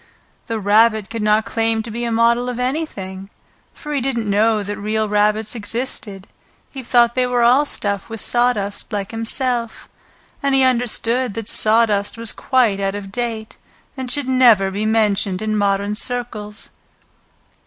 The Rabbit could not claim to be a model of anything, for he didn't know that real rabbits existed; he thought they were all stuffed with sawdust like himself, and he understood that sawdust was quite out of date and should never be mentioned in modern circles.